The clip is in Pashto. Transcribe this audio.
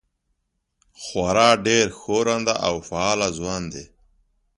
خورا ډېر ښورنده او فعال ځوان دی.